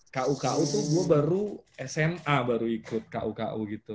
ku ku tuh gue baru sma baru ikut ku ku gitu